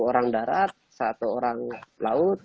orang darat satu orang laut